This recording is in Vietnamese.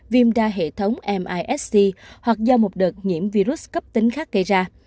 viêm ra hệ thống mis c hoặc do một đợt nhiễm virus cấp tính khác gây ra